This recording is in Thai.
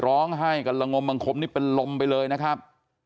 ร้องไห้กันละงมังคมนี่เป็นลมไปเลยนะครับ